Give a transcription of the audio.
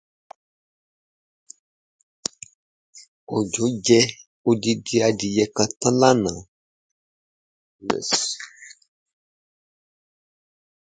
The small, cup-shaped satellite crater Tiselius E lies near the eastern outer edge.